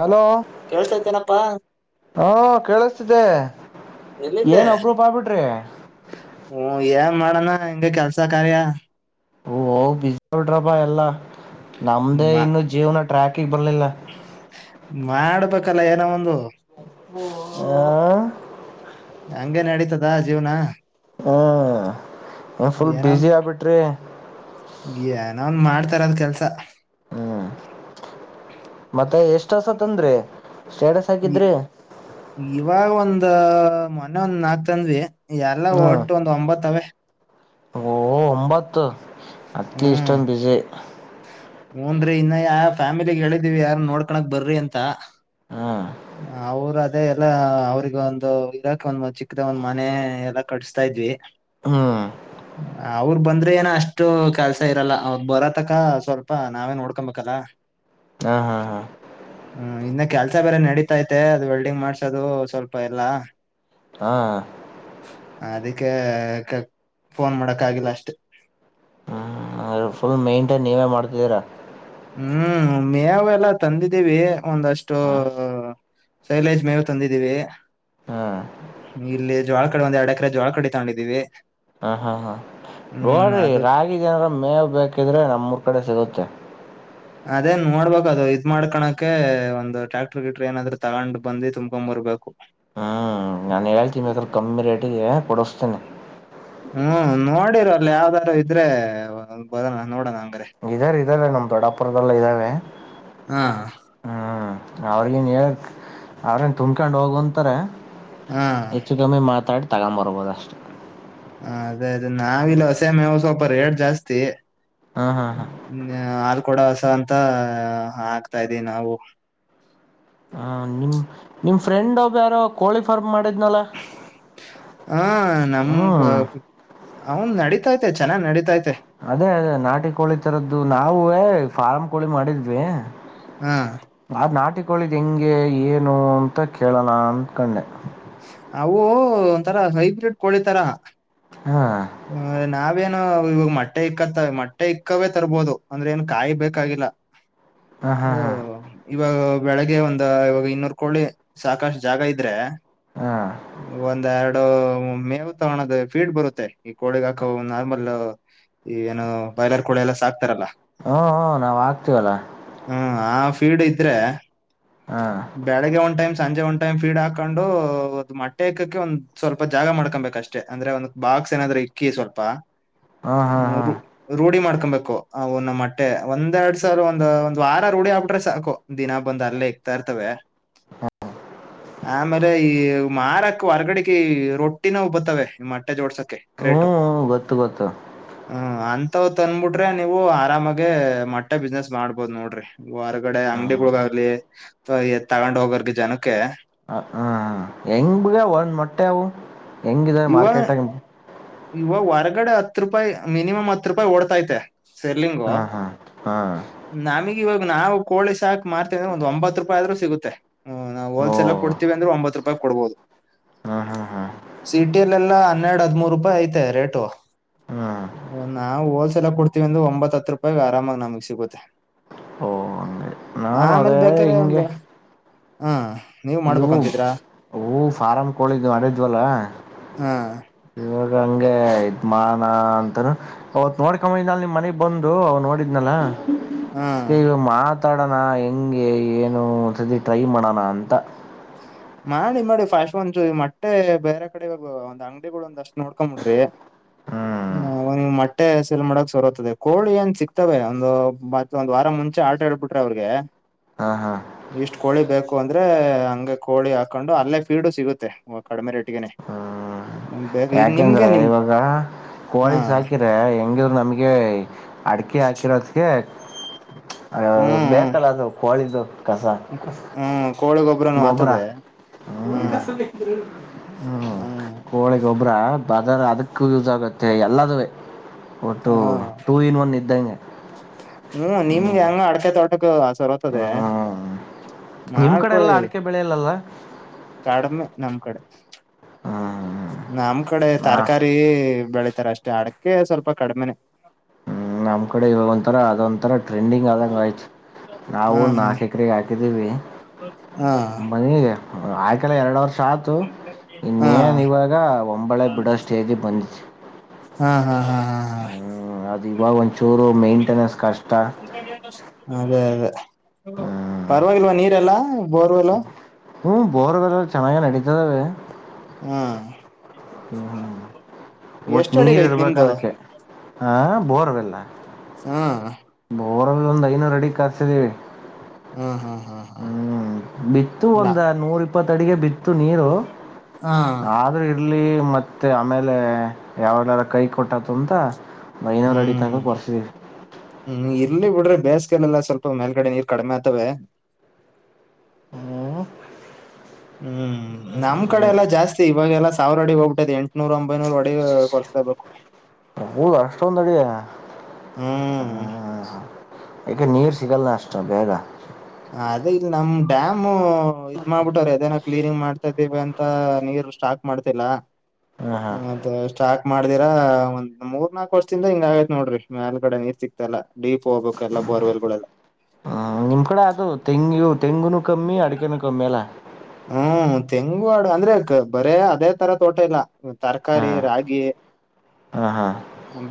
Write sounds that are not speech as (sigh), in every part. Hello ಕೇಳ್ಸತೇನಪ್ಪಾ ಹಾ ಕೇಳಿಸತಿದ್ದೆ ಎಲ್ಲಿದ್ದೆ ಏನ್ ಅಪ್ರೂಫ ಆಗ್ಬಿಟ್ರಿ ಹ ಹೆಂಗೆ ಕೆಲ್ಸ ಕಾರ್ಯ ಅಭಾಯ ಅಲ್ಲ ನಮ್ದೇ ಮಾ ಇನ್ನು ಜೀವನ ಟ್ಯಾಕ್ ಕ ಬನ್ಲಲ್ಲ ಮಾಡ್ಬೇಕಲ್ಲ ಏನೋ ಒಂದು ಹ ಹಂಗೆ ನಡೀತದ ಜೀವ್ನ ಹ ಫುಲ್ ಏನೋನ್ ಬ್ಯುಸಿ ಆಗ್ಬಿಟ್ರಿ ಏನೋ ಒಂದ್ ಮಾಡ್ತ ತರದ್ ಕೆಲ್ಸ ಹ್ಮ್ ಮತ್ತೆ ಎಷ್ಟ ಹೊಸ ತಂದ್ರಿ ಸ್ಟೇಟಸ್ ಹಾಕಿದ್ರಿ ಇವಾಗ ಒಂದ ಮೊನ್ನೆ ಒಂದ್ ನಾಕಕ್ ತಂದ್ವಿ ಎಲ್ಲ ಹ್ಮ್ ಒಟ್ಟು ಒಂದ ಒಂಬತ್ತವೆೇ ಓ ಒಂಬತ್ತು ಅತಿ ಇಷ್ಟ್ ಬಿಿಸಿಿ ಹನ್್ರರಿ ಇನ್ನ ಯಾ ಫ್ಯಾಮಿಲಿಗ್ ಹೇಳಿದಿವವಿ ಯಾರ ನೋಡ್ಕೋಕ್ ಬರ್ರಿ ಅಂತ ಹ್ಮ್ ಅವರ ಅೇ ಎಲ್ಲಾ ಅವರಿಗ ಒಂದು ಇರಾಕ ಒಂದ್ ಚಿಕ್ಕದ ಒಂದ್ ಮನೆ ಎಲ್ಲಾ ಕಡಿಸ್ತಾ ಇದ್ವಿ ಹ್ಮ್ ಹ ಅವರು ಬಂದ್ರೆ ಏನೋ ಅಷ್ಟು ಕೆಲ್ಸ ಇರಲ್ಲ ಅವ ಬರತ್ ಅತಕ ಸ್ವಲ್ಪ ನಾವೇನ್ ನೋಡ್ಕೊಬೇಕಲ್ಲ ಹಾ ಹಾ ಹಾ ಹ್ಮ ಇನ್ನ ಕೆಲ್ಸ ಬೇರೆ ನಡೀತೈತೆ ಅದು ವೆಲ್ಡಿಂಗ್ ಮಾಡ್ಸೋದು ಸ್ವಲ್ಪ ಎಲ್ಲ ಹಾ ಅದಕ್ಕೆ ಫೋನ್ ಮಾಡಕ್ ಆಗಿಲ್ಲ ಅಷ್ಟೇ ಹ್ಮ್ ಫುಲ್ ಮೈಂಟೈನ್ ನೀವೇ ಮಾಡ್ತಿದ್ದೀರಾ ಹ್ಮ್ ಮಾವೆಲ್ಲ ತಂದಿದ್ದೀವಿ ಒಂದಷ್ಟು ಹಾ ಸೈಲಜ್ ಮೇವು ತಂದಿದ್ದೀವಿ ಹ್ಮ್ ಇಲ್ಲ ಜ್ವಾಳ ಕಡೆ ಒಂದು ಎರಡ ಎಡೆ ಜೋಳ ಕಡೆ ತಗೊಂಡಿದೀವಿ ಹ ಹಾ ಹಾ ಹ್ಮ್ ನೋಡ್ರಿ ಅದು ರಾಗಿ ಜನರ ಮೇವ ಬೇಕಿದ್ರೆ ನಮ್ಮೂರ್ ಕಡೆ ಸಿಗುತ್ತೆ ಅದೇನ್ ನೋಡ್ಬೇಕು ಅದು ಇದ್ ಮಾಡ್ಕೋಕೆ ಒಂದು ಟ್ಯಾಕ್ಟರ್ ಗಿಟರ್ ಏನಾದ್ರು ತಗೊಂಡ್ ಬಂದುಿ ತುಂಬಕೊ್ ಬರ್ಬೇಕು ಹ್ಮ್ ನಾನ್ ಹೇಳ್ತೀಿ ಬೇಕ್ರೆ ಕಮ್ಮಿ ರೇಟ್ ಿಗೆ ಕೊಡಿಸ್ತೇನೆ ಹ್ಮ್ ನೋಡಿರ ಅಲ್ಲ ಯಾವ್ದಾರೂ ಇದ್ರೆ ಬರೋಣ ನೋಡೋಣ ಹಂಗಾರೆ ಇದಾರೆ ಇದಾರೆ ನಮ ದೊಡಾಪುರದಲ್ಲ ಇದ್ದಾವೆ ಹಾ ಹ್ಮ್ ಅವ್ರಗ ನ್ ಹಕ್ ಅವ್ರೇನ್ ತುಂಬ್ಕೊಂಡ್ ಹೋಗಂತಾರೆ ಹಾ ಹೆಚ್ಚು ಕಮ್ಮೆ ಮಾತಾಡ್ ತಗೊಂಬರ್ಬೋದ ಅಷ್ಟು ಹ ಅದೇ ಅದೇ ನಾವ ಇಲ್ಲಿ ಹೊಸೆ ಮೇವಸ ಎಡ್ ಜಾಸ್ತಿ ಹಾ ಹಾ ಹಾ ಹ್ಮ ಆ ಕೊಡವಸ ಅಂತ ಆಗ್ತಾ ಇದ್ದೀವಿ ನಾವು ಹಾ ನಿಮ್ ನಿಮ ಫ್ರೆಂಡ್ ಮಾಡಿದ್ನಲ್ಲ ಹ ನಮ್ ಹ್ಮ್ ಅವನ್ ನಡೀತಾತೆ ಚೆನ್ನ್ ನಡೀಿತೈತೆ ಅದೇ ಅದ ನಾಟಿ ಕೋಳಿ ತರದ್ದು ನಾವ ಫಾರ್ಮ್ ಕೋಳಿ ಮಾಡಿದ್ವಿ ಹ ಬ ನಾಟಿ ಕಕಳಿದ ಹೆಿಂಗೆ ಏನು ಅಂತ ಕೇಳಣ ಅಂದಕೊಂಡೆ ಅವು ಒಂದ್ತಾರ ಹೈಬ್ರಿಡ್ ಕೋಳಿ ತರ ಹ ಹಾ ನಾ ಬೇ ಅಆ ವ ಇವಾಗ ಮಟ್ಟೆ ಇಕ್ಕತ್ತವೆ ಮೊಟ್ಟೆ ಇಕ್ಕವೇ ತರ್ಬೋದು ಅಂದ್ರೆ ಏನ್ ಕಾಯಿ ಬೇಕಾಗಿಲ್ಲ ಹಾ ಹಾ ಹಾ ಹೊವ್ ಇವಾಗ ಬೆಳಗ್ಗೆ ಒಂದ್ ಇವಾಗ ಇನ್ನೂರು ಕೋಳಿ ಸಾಕಷ್ಟು ಜಾಗ ಇದ್ರೆ ಹಾ ಒಂದ್ ಎರಡ್ ಮೇವ ತ ಹಣದ ಫೀಡ್ ಬರುತ್ತೆ ಈ ಕೋಳಿಗಾಕ ನಾರ್ಮಲ್ ಈ ಏನು ಬೈಲರ್ ಕೊಳೆಲ್ಲ ಸಾಕ್ತಾರಲ್ಲ ಹ್ಮ ಹ್ಮ ನಾವ್ ಆಗ್ತೀವಲ್ಲ ಸೀಡ್ ಇದ್ರೆ ಬೆಳಿಗ್ಗೆ ಒ್ ಟೈಮ್ ಸಂಜೆ ಒಂದು ಟೈಮ್ ಫೀಡ್ ಹಾಕೊಂಡು ಒ್ ಮೊಟ್ಟೆ ಇಕ್ಕಕ್ಕೆ ಒಂದ್ ಸ್ವಲ್ಪ ಜಾಗ ಮಾಡ್ಕೊಬೇಕು ಅಷ್ಟೇ ಅಂದ್ರೆ ಒಂದ್ ಬಾಕ್ಸ್ ಏನಾದ್ರು ಇಕ್ಕಿ ಸ್ವಲ್ಪ ಹಾಂ ಹಾಂ ಹ ಹಾಂ ರೋಢಿ ಮಾಡ್ತ ಹಕೊಂಬಬೇಕು ಒ ನ ಮಟ್ಟೆ ಒಂದ್ ಎರಡ್ ಸಾವಿರ ಒಂದ್ ಒಂದ್ ವಾರ ರೂಡಿ ಆಕ್ಬಟ್ರೆ ಸಾಕು ದಿನ ಬಂದ ಅಲ್ಲೇ ತರ್ತವೆ ಆಮೇಲೆ ಈ ಮಾರಕ್ ಹೊರ್ಗಡೆಗೆ ರೊಟ್ಟಿನ ಬರ್ತವೆ ಮ ಜೋಡ್ಸೋಕ್ಕೆ ಹ್ಞೂ ಕ್ರೇಟೋ ಗೊತ್ತು ಗೊತ್ತು ಹ ಅ ಾವ್ ತಂದ್ಬಿಟ್ರೆ ನೀವು ಆರಾಮಾಗ ಮೊಟ್ಟೆ ಬಿಸ್ನೆಸ್ ಮಾಡ್ಬೋದ್ ನೋಡ್ರಿ ಹೊರ್ಗಡೆ ಅಂಗ್ಡಿಗಳಗಾಗ್ಲಿ (unintelligible) ಎ ತಗೊಂಡ್ ಹೋಗ್ಬರ್ತಿ ಜನಕ್ಕೆ ಹ್ಮ್ ಹೆಂಗ್ ಬಗ ಒಂದ ಮೊಟ್ಟೆವು ಹೆಂಗಿದ ಮಾರ್ಕೆಟ್ಾಗಿ ಇವಾಗ್ ಹೊರಗಡೆ ಹತ್ತು ರೂಪಾಯಿ ಮಿನಿಮಮ್ ಹತ್ ರೂಪಾಯಿ ಓಡ್ತೈತೆ.... ಸರ್ಲಿಂಗೋ ಹಾಂ ಹಾಂ ಹಾಂ ನಾಮಿ..... ಇವಾಗ ನಾವು ಕೋಳಿ ಸಾಕ್ ಮಾರ್ತ (unintelligible) ಒಂದ್ ಒಂಬತ್ ರೂಪಾಯಿ ಆದ್ರು ಸಿಗುತ್ತೆ ಹ ನಾವು ಓ ಹೊಲ್ಸೇಲ ಕೊಡ್ತವಿ ಅಂದ್ರೆ ಒಂಬತ್ ಕೊಡ್ಬೋದು ಹಾಂ ಹಾಂ ಹಾಂ ಸಿಟಿಯಲೆಲ್ಲ ಹನ್ನೆರಡು ಹದ್ಮೂರ್ ರೂಪಾಯಿ ಐತೆ ರೇಟು ಹಾಂ ನಾವು ಹೋಲ್ಸೇಲ್ ಕೊಡ್ತೀವಿಂದು ಒಂಬತ್ತ್ ಹತ್ರಪಾಯ್ ಆರಾಮಾಗ ನಮಗ್ ಸಿಗುತ್ತೆ ಓ ಹಂಗೆ ನಾನು ಆಮೇಲ್ ಅದೇ ಬೇಕಾರೆೆ ಹಿಂಗೆ ಒಂದು ಹ ನೀವ್ ಮಾಡ್ಬೇಕಂತಿದ್ರ ಓ ಫಾರಂ ಕೋಳಿದ್ ಮಾಡಿದ್ವಲ್ಲ...... ಹ್ಮ್ ಇವಾಗ ಹಂಗೆ ಯತ್್ ಮಾ ನ ಅಂತಾನ ಅವತ್ ನೋಡ್ಕೊ ನಲ್ಲಿ ನಿಮ್ ಮನೆಗ್ ಬಂದು ಅವ್ ನೋಡಿದ ಇನಲ್ಲವ ಹಾ ಮಾತ್ ಮಾತಾಡೋಣ ಹೆಂಗೆ ಏನು ಒಂದ್ಸತಿ ಟ್ರೈ ಮಾಡೋಣ ಅಂತ ಮಾಡಿ ಮಾಡಿ ಫಸ್ಟ್ ಒಂದಚೂರ್ ಮೊಟ್ಟೆ ಬೇರೆ,, ಕಡೆ ಒಂದ್ ಅಂಗಡಿಗಳು ಒಂದ್ ಅಷ್ಟ್ ನೋಡ್ಕೊ ಬಿಡ್ರಿ ಹ್ಮ್ ಒಂದ್ ಮಟ್ಟೆ ಸೆಲ್ ಮಾಡಕ್ ಸರತದೆ ಕೋಳಿ ಏನ್ ಸಿಕ್ತವೆ ಒಂದು ಬಟ್ ಒಂದ್ ವಾರ ಮುಂಚೆ ಆರ್ಡರ್ ಹೇಳ್ಬಿಟ್ರೆ ಅವ್ರಿಗೆ....... ಹಾ ಹಾ ಕೋಳಿಬೇಕೇಕು ಅಂದ್ರೆ ಹಂಗ ಕೋಳಿ ಹಾಕೊಂಡು ಅಲ್ಲೇ ಫೀಡು ಸಿಗುತ್ತೆ ಕಡಿಮೆ ರೇಟಗನೆೇ ಹ್ಮ್ ಯಾಕೆಂದ್ರೆ ಇವಾಗ ಹಾ ಕೋಳಿ ಸಾಕಿದ್ರೆ ಹೆಂಗಿದ್ರು ನಮ್ಗೆ ಅಡಕೆ ಹಾಕಿರೋದ್ಗೆ ಹ್ಮ್ (inaudible) ಹ್ಮ್ ಬೇಕಲ್ಲ ಅದು ಕೋಳಿದ್ದು ಕಸ ಹ್ಮ್ ಕೋಳಿ ಗೊಬ್ರನು ಗೊಬರ ಆತದೆ ಹ್ಮ ಹ್ಮ್ ಹ್ಮ ಹ್ಮ್ ಕೋ ಒಬ್ರ ಬದರ್ ಅದಕ್ಕ ಯೂಸ್ ಆಗತ್ ಮತ್ತು ಎಲ್ಲದವೇ ಹಾ ಹ್ಮ ಹ್ಮ್ ನಿಮ್ಗೆ ಹೆಂಗ ಅಡ್ತೆ (unintelligible) ಹು ಬರತದೆ ಹ್ಮ್ ನಿಮ್ಮ ಕಡೆ ಎಲ್ಲ ಮಾಡ್ಕೊಳ್ಳಿ ಅಡಿಕೆ ಬೆಳೆಯಲ್ಲಲ್ಲ ಕಡಿಮೆ ನಮ್ ಕಡೆ ಹ ನಮ್ ಕಡೆ ತರಕಾರಿ ಬೆಳ ತ ಅಷ್ಟೇ ಅಡಕ್ಕೆ ಸ್ವಲ್ಪ ಕಡಿಮೆನೆ ಹ್ಮ್ ನಮ್ ಕಡೆ ಇವಾಗ ಒಂಥರ ಅದೊಂಂತರ ಟ್ರೆಂಡಿಂಗ್ ಆದಂಗ ಆಯ್ತ್ ನಾವು ಹಾ ಹಾ ನಾಲ್ಕು ಎಕರೆ ಹಾಕಿದೀವಿ ಹಾ ಮನೆಗೆ ಆಯ್ (unintelligible) ಎರಡು ವರ್ಷ್ ಸಾತು ಹಾ ಇನ್ನೇನು ಇವಾಗ ಹೊಂಬಾಳೆ ಬಿಡೋ ಸ್ಟೇಜಿಗೆ ಬಂತು..... ಹಾ ಹಾ ಹಾ ಹಾ ಹಾ ಬ ಚೂರು ಮೈಂಟೆನೆನ್ಸ್ ಕಷ್ಟ ಅದೇ ಅದೇ ಪರವಾಗಿಲ್ವಾ ನೀರೆಲ್ಲಾ ಬೋರ್ವೆಲ್ ಹ್ಮ ಬೋರ್ಗಳಲ್ಲ ಚೆನ್ನಾಗ ನಡೀತವೆ.... ಹಾ ಹ್ಮ ಹ್ಮ ಬಟ್ ಎಷ್ಟ ಅಡಿಗ ನೀರ್ ಐತ್ ಇರ್ಬೇಕ ನಿಮ್ದು ಅದಕ್ಕೆ ಹ ಬೋ ಅವೆಲ್ಲಾ ಹ್ಮ್ ಬೋರ್ ಅಲ್ಒಂದ್ ಐನೂರು ಅಡಿಗ್ ಗಾಗ್ಸಿದ್ದಿವಿ. ಹಾ ಹಾ ಹಾ ಹಾ ಹ್ಮ್ ಬಿತ್ತು ನಾ ಒಂದ ನೂರ್ ಇಪ್ಪತ್ ಅಡಿಗೆ ಬಿತ್ತು ನೀರು ಹಾ ಆದ್ರೂ ಇರ್ಲಿ...... ಮತ್ತೆ ಆಮೇಲೆ ಯಾವಾಗಲಾದರೂ ಕೈ ಕೊಟ್ಟತು ಅಂತ...... ಐನೂರು ಅಡಿ ತನಕ ಪೋರ್ (unintelligible) ಇಲ್ಲಿ ಬಿಡ್ರೆ ಬೇಸಿಗೆಲೆಲ್ಲ ಸ್ವಲ್ಪ ಮೇಲ್ಗಡೆ ನೀರ್ ಕಡಿಮೆ ಆಗ್ತವೆ ಹ್ಮ್ ಹ್ಮ್ ನಮ್ ಕಡೆ ಎಲ್ಲಾ ಜಾಸ್ತಿ ಇವಾಗೆಲ್ಲಾ ಸಾವಿರ ಅಡಿ ಹೋಗ್ಬಿಟದೆ ಎಂಟ್ನೂರ ಒಂಬೈನೂರ ಅಡಿ ಕೊರಿಸ್ಲೇಬೇಕು... ಊಲ ಅಷ್ಟೊಂದ್ ಅಡಿನಾ ಹಾ ಹ್ಮ್ ಹ ಹಾ ನೀರು ಸಿಗಲ್ಲ ಅಷ್ಟು ಬೇಗ ಹ ಅದೇ ಇಲ್ ನಮ್ ಡ್ಯಾಮ್ ಹ್ಮ್ ಇದ್ ಮಾದ್ಬಿಟ್ಟವ್ರೆ ಅದೆನೋ ಕ್ಲನಿಂಗ್ ಮಾಡ್ ತೀವಿ ಅಂತ ನೀರು ಸ್ಟಾಕ್ ಮಾಡ್ತಿಲ್ಲಾ ಹಾಂ ಹಾಂ ಅದು ಸ್ಟಾರ್ಟ್ ಮಾಡ್ತಿವ್ ಮಾಡ್ ದಿರ ಒಂದ್ ಮೂರ್ ನಾಲ್ಕು ವರ್ಷದಿಂದ ಹಿಂಗ ಆಗೈತ್ ನೋಡ್ರಿ ಮೇಲ್ ಗಡೆ ನೀರ್ ಸಿಕ್ತಾಯಿಲ್ಲ ಡೀಪ್ ಹೋಗ್ಬೇಕ ಎಲ್ಲ ಬೋರ್ವೆಲ್ಗಳೆಲ್ಲ ಹ ನಿಮ್ ಕಡೆ ಅದು ತೆಂಗಿಯೋ ಹ್ಮ್ ತೆಂಗು ಅಡ್ ಅಂದ್ರೆ ಅ ಬರೇ ಅದೇ ತರ ತೋಟ ಇಲ್ಲ ಹಾ ತರಕಾರಿ ರಾಗಿ ಹಾ ಹಾ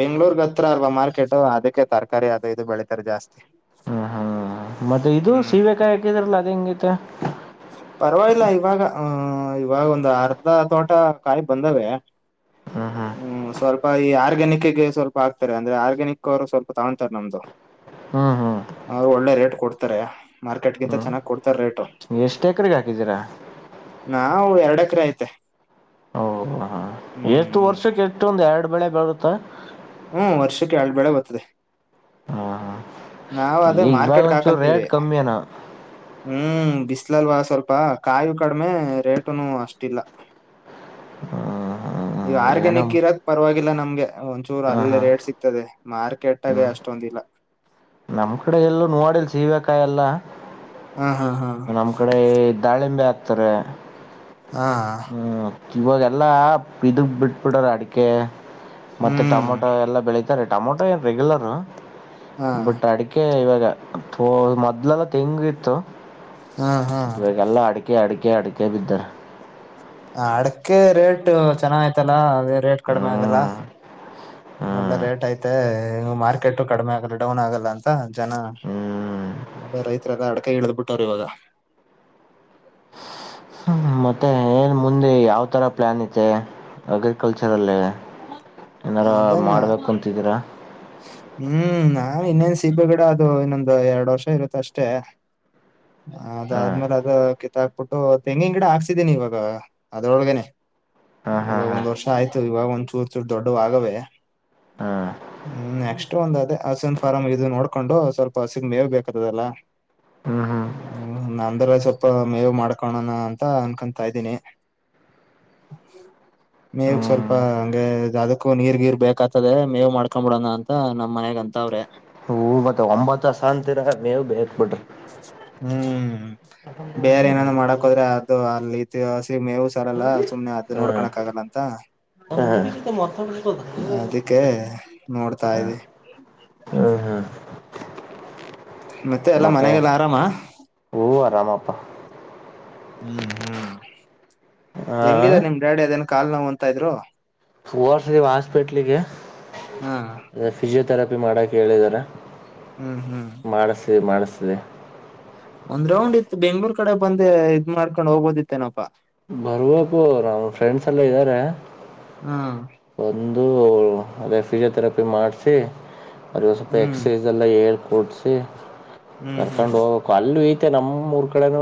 ಬೆಂಗ್ಳೂರಿಗೆ ಅತ್ರ ಅಲ್ವಾ ಮಾರ್ಕೆಟು ಅದಕ್ಕೆ ತರಕಾರಿ ಅದು ಇದು ಬೆಳಿತರೆ ಜಾಸ್ತಿ ಹ ಹಾ ಮತ್ತೆ ಇದು ಹ್ಮ್ ಸೀಬೆಕಾಯಿ ಹಾಕಿದ್ರಲ.. ಅ ಪರವಾಗಿಲ್ಲ ಇವಾಗ ಹ್ಮ ಇವಾಗ ಒಂದ್ ಅರ್ಧ ತೋಟ ಕಾಯಿ ಬಂದಾವೆ ಹ್ಮ್ ಸ್ವಲ್ಪ ಯಾರಿಗ್ ನಿಕ್ ಗೆ ಸ್ವಲ್ಪ ಆಗ್ತಾರೆ ಅಂದ್ರೆ, ಆರ್ಗ್ಯಾನಿಕ್ ಅವರು ಸ್ವಲ್ಪ ತಗೊತಾರೆ ನಮ್ದು... ಹ್ಮ್ ಹ್ಮ್ ಹ್ಮ್ ಒಳ್ಳೆ ರೇಟ್ ಕೊಡ್ತರೆ ಮಾರ್ಕೆಟ್ಗಿಂತ ಚೆನ್ನಾಗಿ ಕೊಡ್ ಎಷ್ಟ ಎಕರೆಗೆ ಹಾಕಿದಿರ ನಾವ್ ಎರಡ್ ಎಕ್ರೆ ಐತೆ. ಓ ಹ ಎಷ್ಟು ಹ್ಮ್ ವರ್ಷಕ್ಕೆ ಎಷ್ಟು ಒಂದ್ ಎರಡ್ ಬೆಳೆ ಆಗುತ ಹ್ಮ್ ವರ್ಷಕ್ಕೆ ಎರಡ್ ಬೆಳೆ ಬರ್ತದೆ (unintelligible) ನಾವ್ ಅದೇ ಈಗ್ ಬೆಲ್ಡ ಮಾರ್ಕೆಟ್ಗೆ ಒಂಚೂರ್ ಹಾಕಂತೀವಿ ರೇಟ್ ಕಮ್ಮಿಯನ ಹ್ಮ್ ಬಿಸ್ಲಲ್ವಾ ಸ್ವಲ್ಪ ಕಾಯಿ ಕಡಿಮೆ ರೇಟನು ಅಷ್ಟಿಲ್ಲ. ಈ ಏನೋ ಆರ್ಗ್ಯಾನಿಕ್ ಇರೋದ್ ಪರವಾಗಿಲ್ಲ ನಮ್ ಹಂಗೆ ಎ ಒಂಚೂರು ಹಾ ಅಲ್ಲಿ ಹಾ ರೇಟ್ ಸಿಗ್ತದೆ. ಮಾರ್ಕೆಟಗ ಹ್ಮ್ ಅಷ್ಟೊಂದಿಲ್ಲ. ನಮ್ ಕಡೆ ಎಲ್ಲೂ ನೋಡಿಲ್ ಸೀವೇಕಾಯಿ ಎಲ್ಲಾ. ಹ ಹಾ ಹಾ (unintelligible) ನಮ್ ಕಡೆ ದಾಳಿಂಬೆ ಆ ಕ್ತರೆ ಹಾ ಇವಾಗೆಲ್ಲಾ ಇದಕ್ ಬಿಟ್ ಬಿಡರ ಅಡಿಕೆ ಮತ್ತೆ ಹ್ಮ್ ಟಮೊಟೊ ಎಲ್ಲ ಬೆಳಿತರೆ ಟಮೊಟೋ ಏನ್ ರೆಗುಲರ ಹಾ ಬಟ್ ಅಡಿಕೆ ಇವಗ ತೋ ಮೊದ್ಲೆಲ್ಲ ತೆಂಗ್ ಇತ್ತು. ಹಾ ಹಾ (unintelligible) ಇವಗೆಲ್ಲ ಅಡಿಕೆ ಅಡಿ ಕೆೇ ಅಡಿಕೆ ಬಿದ್ದರ ಅಡಕೆ ರೇಟ್ ಚೆನ್ನಾಗಯ್ತಲ ರೇಟ್ ಕಡಿಮೆ ಆಗಲ್ಲ ಹ್ಮ್ (unintelligible) ಒಳ್ಳೆ ಹ್ಮ್ ರೇಟ್ ಐತೆ ಮಾರ್ಕೆಟ್ ಕಡಿಮೆ ಆಗಲ್ಲ ಡೌನ್ ಆಗಲ್ಲ ಅಂತ ಜನ ಹ್ಮ್ (unintelligible) ಅದೇ ರೈತರೆಲ್ಲ ಅಡಕಗೆ ಇಳ್ದ್ ಬಿಟ್ಟವರೇ ಇವಗ (unintelligible) ಮ ತ್ತೆ ಏನ್ ಮುಂದೆ ಯಾವ್ ತರ ಪ್ಲಾನ್ ಇದೆ ಅಗ್ರಿಕಲ್ಚರ್ ಲೆನೆ (unintelligible) ಏನರ ಅದನ್ನ ಮಾಡ್ಬೇಕು ಅಂತಿದಿರ ಹ್ಮ್ ನಾ ಇನ್ನೇನ್ ಸಿಬೆ ಗಿಡ ಅದು ಇನ್ನೊಂದು ಎರಡು ವರ್ಷ ಇರುತ್ತ ಅಷ್ಟೇ. ಹ ಅದಾದ್ಮೇಲೆ ಹಾ ಅದ ಕಿ ತ ಹಾಕ್ಬಿಟ್ಟು ತೆಂಗಿನ ಗಿಡ ಹಾಕ್ಸಿದೀನಿ ಇವಾಗ ಅದ್ರೊಳಗನೆ ಹಾ ಇವಾಗ ಹಾ ಒಂದ್ ವರ್ಷ ಆಯ್ತು ಇವಾಗ ಒಂದ್ ಚೂರ್ ಚೂರ್ ದೊಡ್ಡವ್ ಆಗವೇ. ಹಾ ಹಾ ಹ್ಮ್ ನೆಕ್ಸ್ಟ್ ಒಂದ ಅದೇ ಹಸಿನ್ ಫಾರಂ ಇದು ನೋಡ್ಕೊಂಡು ಸ್ವಲ್ಪ ಹಸಿಗ್ ಮೇವ ಬೇಕತದಲ್ಲ ಹ್ಮ್ ಹ್ಮ್ (unintelligible) ನಂದೇಲ ಸ್ವಲ್ಪ ಮೇವ ಮಾಡ್ಕೋಣ ಅಂತ ಅನ್ಕೊತಾ ಇದೀನಿ (unintelligible) ಮೇವಿಗ್ ಸ್ವಲ್ಪ ಹ್ಮ್ ಹಂಗೆ ಅದಕ್ಕೂ ನೀರ್ ಗೀರ್ ಬೇಕತದೆ ಮೇವ್ ಮಾಡ್ಕ ಕಕೊಂಬಿಡೋಣ ಅಂತ ನಮ್ಮ್ ಮನಗ್ ಅಂತ ಅವ್ರೆ ಹವತ್ತ ಒಂಬತ್ತು ಸ ಅಂತರ ಮೇವು ಬೇರೆ ಬಟ್ಟ ಹ್ಮ್ ಬೇರೆ ಏನಾದ ಮಾಡಕ್ೋದ್ರೆ ಅದು ಅಲ್ಲಿ ಇತಿಹಾಸಿ ಮೇವು ಸರಲ್ಲ ಸುಮ್ನೆ ಅದದು ನೋಡ್ಕಳಕ್ ಆಗಲ್ಲ ಅಂತ ಮರ್ತದ ಅದಕ್ಕೆ ನೋಡ್ತಾ ಇದೆ ಹ್ಮ್ ಮತ್ತೆ ಎಲ್ಲ ಮನೆಗೆಲ್ಲ ಆರಾಮ ರಾಮಪ್ಪ ಹ್ಮ್ ಹ್ಮ್ ಆ ಹೆಂಗಿದೆ ನಿಮ್ ಡಡಿ ಅದನ ಕಾಲ್ ನೋವ್ ಅಂತ ಇದ್ರು ಓರ್ಸ್ದೀವ ಹಾಸ್ಪಿಟ್ಲಿಗೆ ಹಾ ಫಿಜಿೋಥರಪಿ ಪಿ ಮಾಡೋಕ ಹೇಳಿದ್ದಾರೆ ಹ್ಮ್ ಹ್ಮ್ ಮಾಡ್ಸಿ ಮಾಡ್ಸಿ ಸದೆ ಒಂದ್ ರೌಂಡ್ ಇತ್ತು ಬೆಂಗ್ಳೂರ್ ಕಡೆ ಬಂದ ಇದ್ ಮಾಡ್ಕೊಂಡ್ ಹೋಗ್ಬೋದಿತ್ತೇನಪಾ ಬರ್ಬೇಕು ನಮ್ಮ ಫ್ರೆಂಡ್ಸ್ ಎಲ್ಲ ಇದ್ದಾರೆ ಹ್ಮ್ ಒಂದ ಅದು ಅದೇ ಪಿಜಿಯೋತೆರಪಿ ಮಾಡ್ಸಿ ಅ ಸ್ವಲ್ಪ ಹ್ಮ್ ಎಕ್ಸಸೈಸ್ ಎಲ್ಲ ಹೇಳ್ ಕೂಡ್ಸಿ ಹ್ಮ್ ಹ್ಮ್ ಹ್ಮ್ ಕರ್ಕೊಂಡ್ ಹೋಗ್ಬೇಕು ಅಲ್ಲಿ ಮತ್ತು ನಮ್ಮ ಊರು ಕಡೆನ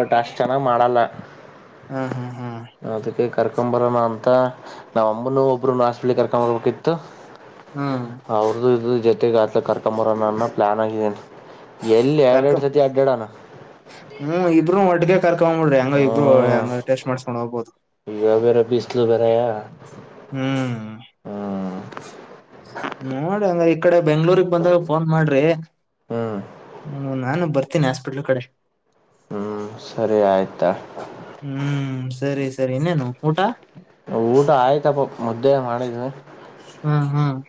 ಬಟ್ ಅಷ್ಟು ಚೆನ್ನಾಗ್ ಮಾಡಲ್ಲ ಹಾ ಹಾ ಕರ್ಕಂ ಬರೋಣ ಅಂತ ನಾವ ಅಮ್ಮನು ಒಬ್ಬರು ಹಾಸ್ಪಿಟಲ್ಗೆ ಕರ್ಕಂ ಬರ್ಬೇಕಿತ್ತು ಹ್ಮ್ ಅವ್ರದುು ಇದ ಜೊತೆ ಗತೆಗತ ಕರ್ಕೊಂಬರೋ ನನ್ನ ಪ್ಲಾನ್ ಆಗಿದ್ದೇನಿ ಎಲ್ಲಿ ಎರಡೆ ಕರ್ಕ ಎಡು ಸತಿ ಅಡ್ಡಡಾನ ಕರ್ಕಂಡ್ ಬುಡಿ ಅಂಗ ಇಬ್ರು ಟೆಸ್ಟ್ ಮಾಡ್ಸ್ಕೊಂಡ್ ಹೋಗಬೋದು.... ಇಗ ಬೇರ ಬಿಿಸಲು ಬೇರ ಯ ಹ್ಮ ನೋಡ್ರ ಅಂಗ್ರ ಈ ಕಡೆ ಬೆಂಗ್ಳೂರ್ಗ್ ಬಂದಾಗ ಫೋನ್ ಮಾಡ್ರಿ ಹ್ಞೂ ನಾನು ಬರ್ತೀನಿ ಹಾಸ್ಪಿಟ್ಲ್ ಕಡೆ ಸರಿ ಆಯ್ತಾ ಹ್ಮ್ ಸರಿ ಸರಿ ಇನ್ನೇನು ಊಟ ಊಟ ಆಯ್ತಪ್ಪ ಮುದ್ದೆ ಮಾಡಿದ ಹ್ಮ. ಹ್ಮ ಹ್ಮ್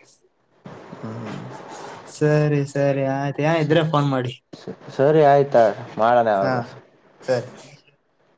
ಸರಿ ಸರಿ ಆಯ್ತು ಏನರ ಇದ್ರೆ ಫೋನ್ ಮಾಡಿ. ಸರಿ ಆಯ್ತಗ ಮಾಡೋಣ ಹಾ ಯಾವಾಗ್ಲಾರ. (unintelligible)